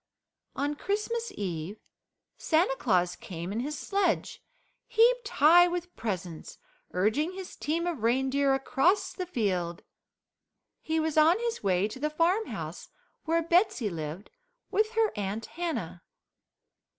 On Christmas Eve Santa Claus came in his sledge heaped high with presents, urging his team of reindeer across the field. He was on his way to the farmhouse where Betsey lived with her Aunt Hannah.